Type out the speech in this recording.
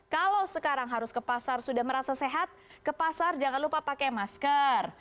kalau sekarang harus ke pasar sudah merasa sehat ke pasar jangan lupa pakai masker